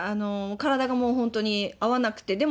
体がもう本当に合わなくて。